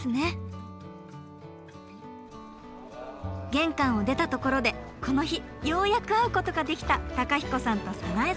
玄関を出たところでこの日ようやく会うことができた公彦さんと早苗さん。